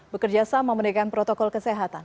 bekerja sama meningkatkan protokol kesehatan